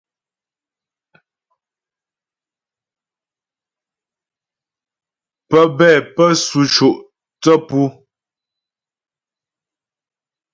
Pə́bɛ pə́ sʉ co' thə́ pu.